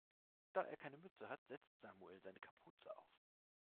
Da er keine Mütze hat, setzt Samuel seine Kapuze auf.